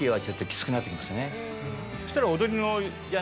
そしたら。